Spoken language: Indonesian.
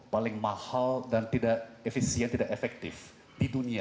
paling mahal dan tidak efisien tidak efektif di dunia